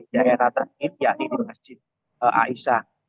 jaya rata tim yaitu masjid aisyah